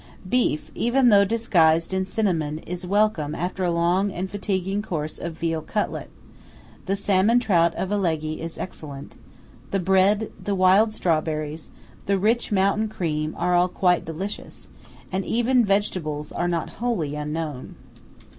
Beef, even though disguised in cinnamon, is welcome after a long and fatiguing course of veal cutlet; the salmon trout of Alleghe is excellent; the bread, the wild strawberries, the rich mountain cream are all quite delicious; and even vegetables are not wholly unknown.